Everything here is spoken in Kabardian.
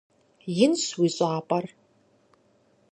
Инщ уи щӀапӀэр.